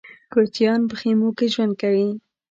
کوچيان په خيمو کې ژوند کوي.